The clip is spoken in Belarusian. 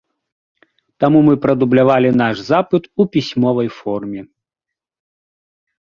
Таму мы прадублявалі наш запыт у пісьмовай форме.